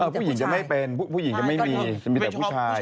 ผู้หญิงจะไม่เป็นผู้หญิงจะไม่มีจะมีแต่ผู้ชาย